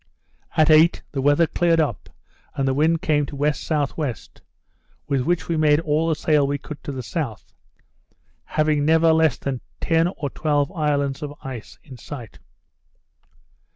At eight, the weather cleared up, and the wind came to W.S.W., with which we made all the sail we could to the south; having never less than ten or twelve islands of ice in sight.